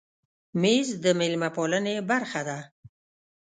مېز د مېلمه پالنې برخه ده.